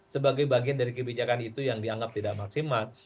sebagai bagian dari kebijakan itu yang dianggap tidak maksimal